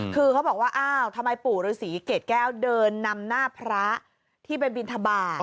คือเขาบอกว่าอ้าวทำไมปู่ฤษีเกรดแก้วเดินนำหน้าพระที่ไปบินทบาท